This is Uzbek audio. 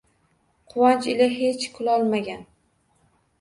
Quvonch ila xech kulolmagan